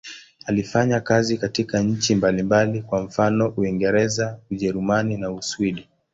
Alifanya kazi katika nchi mbalimbali, kwa mfano Uingereza, Ujerumani na Uswidi.